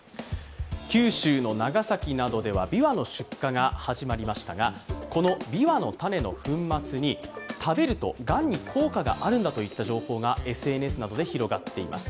九州の長崎などではびわの出荷が始まりましたがこのびわの種の粉末に食べるとがんに効果があるんだといった情報がＳＮＳなどで広がっています。